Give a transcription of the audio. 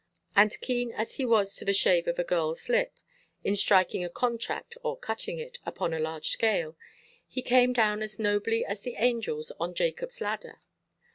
And, keen as he was to the shave of a girlʼs lip, in striking a contract or cutting it, upon a large scale, he came down as nobly as the angels on Jacobʼs ladder.